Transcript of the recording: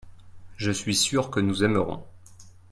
je suis sûr que nous aimerons.